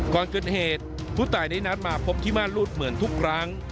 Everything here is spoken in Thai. ก่อนเกิดเหตุผู้ตายได้นัดมาพบที่ม่านรูดเหมือนทุกครั้ง